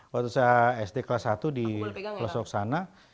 waktu saya sd kelas satu di los oksana